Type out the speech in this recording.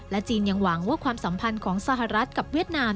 จีนยังหวังว่าความสัมพันธ์ของสหรัฐกับเวียดนาม